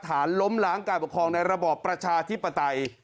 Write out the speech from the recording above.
ฐานล้มล้างการปกครองในระบอบประชาธิปไตย